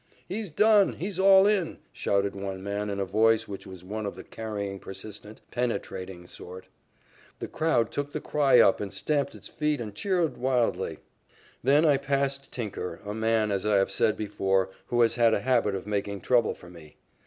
"He's done. He's all in," shouted one man in a voice which was one of the carrying, persistent, penetrating sort. The crowd took the cry up and stamped its feet and cheered wildly. Then I passed Tinker, a man, as I have said before, who has had a habit of making trouble for me.